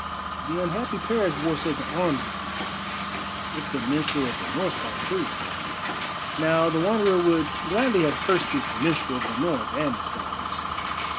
The unhappy Paris wore such arms as these, if the minstrel of the North sang truth." Now, the Wanderer would gladly have cursed this minstrel of the North and his songs.